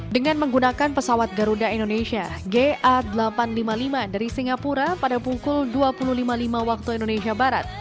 dengan menggunakan pesawat garuda indonesia ga delapan ratus lima puluh lima dari singapura pada pukul dua puluh lima puluh lima waktu indonesia barat